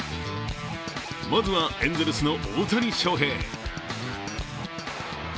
まずはエンゼルスの大谷翔平。